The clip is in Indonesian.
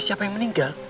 kenapa yang meninggal